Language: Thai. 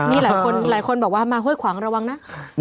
นี่หลายคนบอกว่ามาเฮ้ยขวางระวังนะ